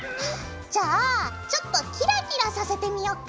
じゃあちょっとキラキラさせてみよっか！